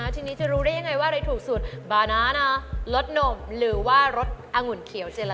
ทีนี้จะรู้ได้ยังไงว่าอะไรถูกสุดบานานะรสนมหรือว่ารสอบุ่นเขียว